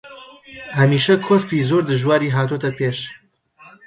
هەمیشە کۆسپی زۆر دژواری هاتۆتە پێش